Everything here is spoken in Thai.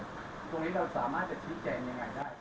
ตรงนี้เราสามารถจะชี้แจงยังไงได้